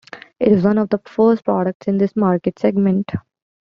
It was one of the first products in this market segment.